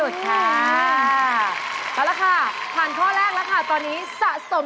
ใช่ค่ะเลิกที่สุดค่ะ